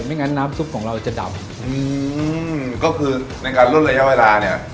งั้นน้ำซุปของเราจะดำอืมก็คือในการลดระยะเวลาเนี่ย